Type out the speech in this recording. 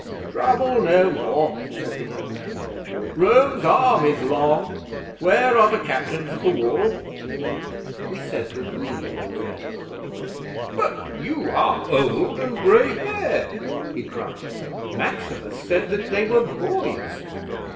'"Trouble no more," said the young man. "Rome's arm is long. Where are the Captains of the Wall?" 'We said we were those men. '"But you are old and grey haired," he cried. "Maximus said that they were boys."